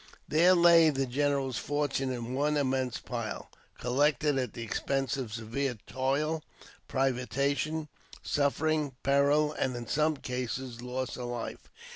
There lay the general's fortune in one immense pile, collected at the expense of severe toil, privation, suffering, peril, and, in some cases, loss of life.